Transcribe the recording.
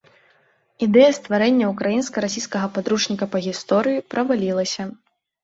Ідэя стварэння ўкраінска-расійскага падручніка па гісторыі правалілася.